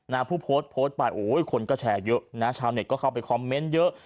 ผู้โพสต์โพสต์ไปโอ้ยคนก็แชร์เยอะนะชาวเน็ตก็เข้าไปคอมเมนต์เยอะ